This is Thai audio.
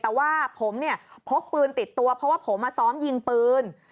แต่ว่าผมเนี่ยพกปืนติดตัวเพราะว่าผมมาซ้อมยิงปืน